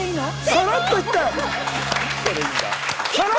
さらっといったよ。